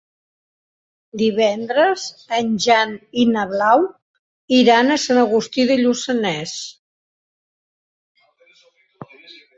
Divendres en Jan i na Blau iran a Sant Agustí de Lluçanès.